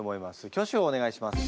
挙手をお願いします。